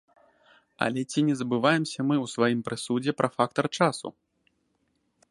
Але ці не забываемся мы ў сваім прысудзе пра фактар часу?